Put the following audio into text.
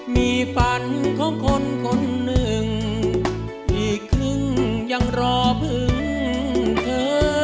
มีฝันของคนคนหนึ่งอีกครึ่งยังรอพึ่งเธอ